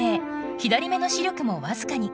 左目の視力もわずかに。